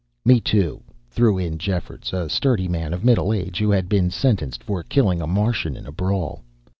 "Me, too," threw in Jeffords, a sturdy man of middle age who had been sentenced for killing a Martian in a brawl.